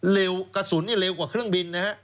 เร็วกระสุนนี่เร็วกว่าเครื่องบินนะครับ